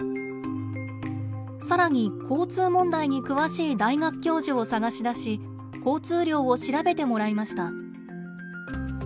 更に交通問題に詳しい大学教授を探し出し交通量を調べてもらいました。